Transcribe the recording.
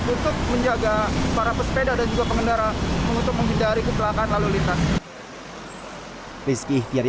untuk menjaga para pesepeda dan juga pengendara untuk menghindari kecelakaan lalu lintas